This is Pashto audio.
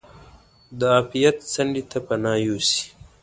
د عافیت څنډې ته پناه یوسي.